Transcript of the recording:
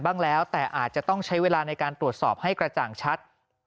บ้างแล้วแต่อาจจะต้องใช้เวลาในการตรวจสอบให้กระจ่างชัด